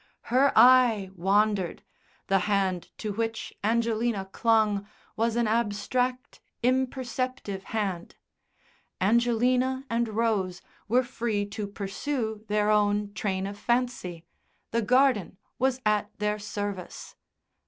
Her eye wandered; the hand to which Angelina clung was an abstract, imperceptive hand Angelina and Rose were free to pursue their own train of fancy the garden was at their service.